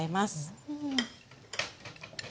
うん。